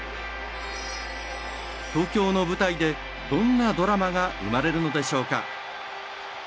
東京の舞台で、どんなドラマが生まれるのでしょうか。